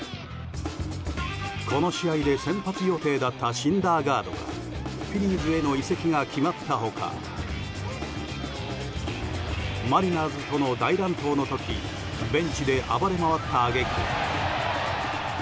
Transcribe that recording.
この試合で先発予定だったシンダーガードがフィリーズへの移籍が決まった他マリナーズとの大乱闘の時ベンチで暴れまわった揚げ句。